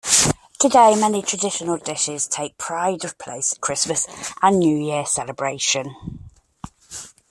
Today, many traditional dishes take pride of place at Christmas and New Year's celebrations.